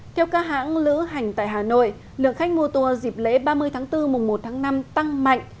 theo các hãng lữ hành tại hà nội lượng khách mua tour dịp lễ ba mươi tháng bốn mùng một tháng năm tăng mạnh